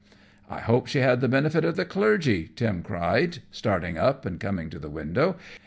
"I hope she had the benefit of the Clergy," Tim cried, starting up and coming to the window.